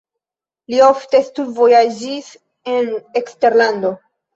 Li ofte studvojaĝis en eksterlando.